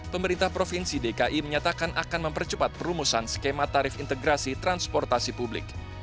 pemerintah provinsi dki menyatakan akan mempercepat perumusan skema tarif integrasi transportasi publik